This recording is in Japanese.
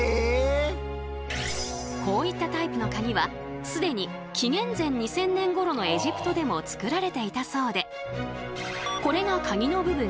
こういったタイプのカギは既に紀元前２０００年ごろのエジプトでも作られていたそうでこれがカギの部分。